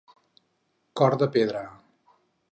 Cor de pedra